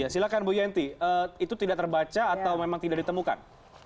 silahkan bu yenti itu tidak terbaca atau memang tidak ditemukan